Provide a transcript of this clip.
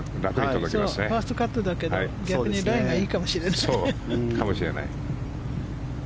ファーストカットだけど逆にライがいいかもしれない。